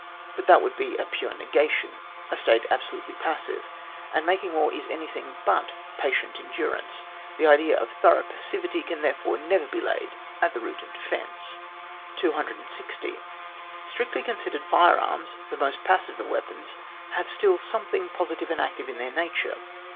But that would be a pure nega tion, a state absolutely passive; and making war is anything but patient en durance ; the idea of thorough passivity can therefore never be laid at the root of defence. 260. Strictly considered, fire arms, the most passive of weapons, have still some thing positive and active in their nature.